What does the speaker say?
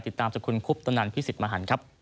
ติดตามจากคุณคุบตนนั่นพี่สิทธิ์มหัน